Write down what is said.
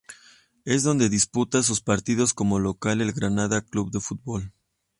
Es donde disputa sus partidos como local el Granada Club de Fútbol.